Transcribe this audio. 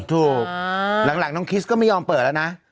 ถูกหลังน้องคิสก็ไม่ยอมเปิดแล้วนะ